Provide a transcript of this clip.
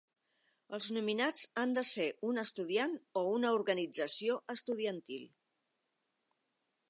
Els nominats han de ser un estudiant o una organització estudiantil.